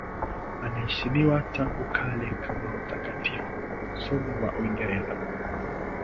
Anaheshimiwa tangu kale kama mtakatifu, somo wa Uingereza.